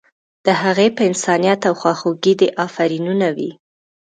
د هغې په انسانیت او خواخوږۍ دې افرینونه وي.